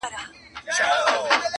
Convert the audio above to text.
مستغني هم له پاچا هم له وزیر یم٫